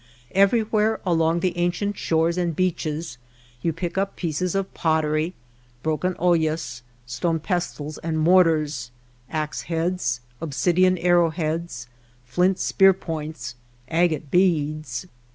Everywhere along the ancient shores and beaches you pick up pieces of pot tery, broken ollas, stone pestels and mortars, axe heads, obsidian arrow heads, flint spear points, agate beads.